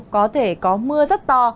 có thể có mưa rất to